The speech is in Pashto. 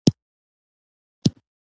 باران له اسمانه رحمت دی.